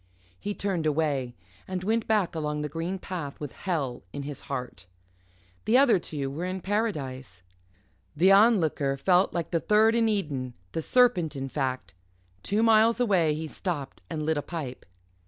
He turned away, and went back along the green path with hell in his heart. The other two were in Paradise. The Onlooker fell like the third in Eden the serpent, in fact. Two miles away he stopped and lit a pipe.